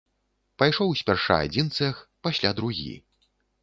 Пайшоў спярша адзін цэх, пасля другі.